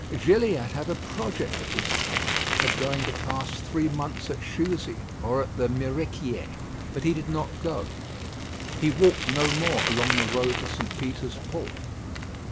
Gilliatt had a project at this time of going to pass three months at Chousey, or at the Miriquiers; but he did not go. He walked no more along the road to St. Peter's Port.